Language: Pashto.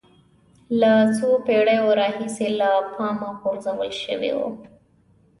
له څو پېړیو راهیسې له پامه غورځول شوی و